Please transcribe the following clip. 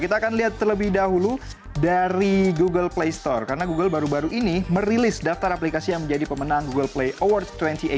kita akan lihat terlebih dahulu dari google play store karena google baru baru ini merilis daftar aplikasi yang menjadi pemenang google play awards dua ribu delapan belas